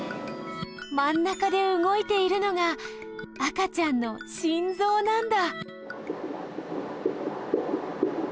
まん中でうごいているのが赤ちゃんの心ぞうなんだ